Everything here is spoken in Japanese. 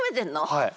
はい。